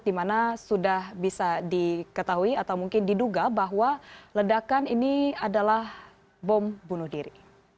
di mana sudah bisa diketahui atau mungkin diduga bahwa ledakan ini adalah bom bunuh diri